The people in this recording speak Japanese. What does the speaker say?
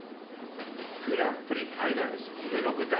グランプリファイナル夢の舞台。